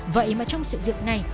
vậy mà trong sự việc này